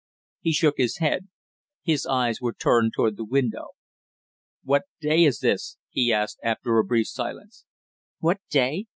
He shook his head. His eyes were turned toward the window. "What day is this?" he asked after a brief silence. "What day?"